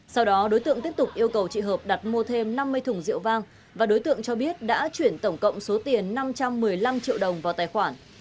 sau đó đối tượng tiếp tục yêu cầu chị hợp đặt mua thêm năm mươi thùng rượu vang và đối tượng cho biết đã chuyển tổng cộng số tiền năm trăm một mươi năm triệu đồng vào tài khoản